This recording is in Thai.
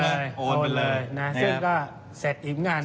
ซึ่งก็เสร็จอีกมาก่อน